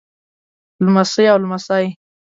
لمسۍ او لمسى